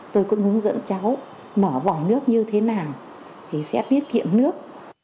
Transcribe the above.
tôi cũng hướng dẫn cháu mở nước như thế nào thì sẽ tiết kiệm nước